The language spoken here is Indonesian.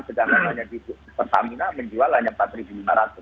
sedangkan hanya di pertamina menjual hanya rp empat lima ratus